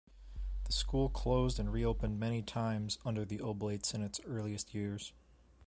The school closed and re-opened many times under the Oblates in its earliest years.